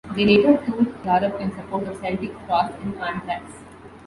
They later toured Europe in support of Celtic Frost and Anthrax.